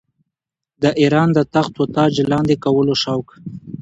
د اېران د تخت و تاج لاندي کولو شوق.